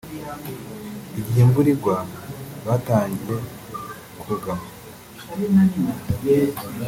igihe imvura igwa batagiye kugama